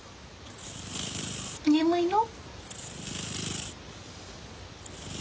眠いの？